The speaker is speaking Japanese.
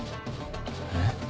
えっ？